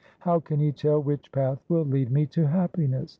' How can he tell which path will lead me to happiness